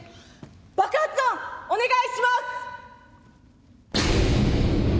爆発音お願いします。